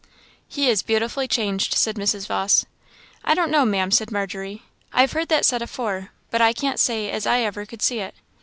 "He is beautifully changed," said Mrs. Vawse. "I don't know, Ma'am," said Margery; "I've heard that said afore, but I can't say as I ever could see it.